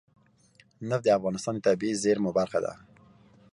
نفت د افغانستان د طبیعي زیرمو برخه ده.